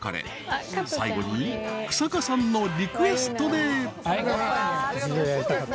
［最後に日下さんのリクエストで］